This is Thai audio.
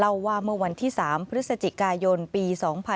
ว่าเมื่อวันที่๓พฤศจิกายนปี๒๕๖๒